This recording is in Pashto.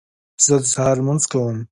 زه د سهار لمونځ کوم